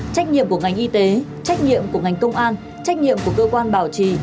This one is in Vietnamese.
trách nhiệm của ngành y tế trách nhiệm của ngành công an trách nhiệm của cơ quan bảo trì